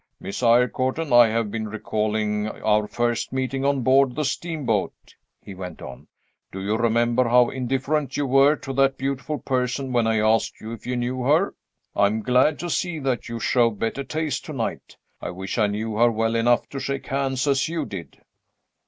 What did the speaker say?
"Miss Eyrecourt and I have been recalling our first meeting on board the steamboat," he went on. "Do you remember how indifferent you were to that beautiful person when I asked you if you knew her? I'm glad to see that you show better taste to night. I wish I knew her well enough to shake hands as you did."